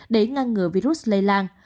để ngăn ngừa virus lây lan